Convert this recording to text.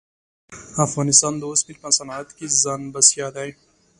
افغانستان د اوسپنې په صنعت کښې ځان بسیا دی.